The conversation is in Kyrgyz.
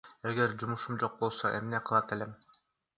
Эгер жумушум жок болсо эмне кылат элем?